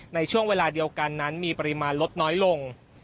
ในช่วงเวลาเดียวกันนั้นมีปริมาณลดน้อยลง